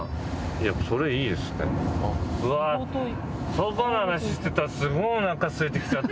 うわあそばの話してたらすごいおなかすいてきちゃった。